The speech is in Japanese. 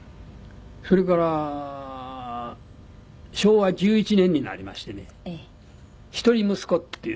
それから昭和１１年になりましてね『一人息子』っていう。